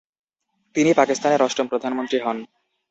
তিনি পাকিস্তানের অষ্টম প্রধানমন্ত্রী হন।